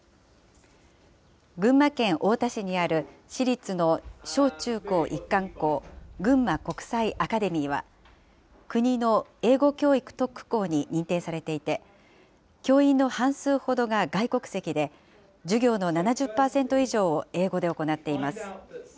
群馬県太田市にある私立の小中高一貫校、ぐんま国際アカデミーは、国の英語教育特区校に認定されていて、教員の半数ほどが外国籍で、授業の７０％以上を英語で行っています。